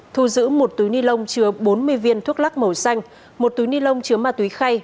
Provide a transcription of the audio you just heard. thu giữ một túi ni lông chứa bốn mươi viên thuốc lắc màu xanh một túi ni lông chứa ma túy khay